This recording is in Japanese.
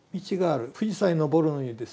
富士山に登るのにですね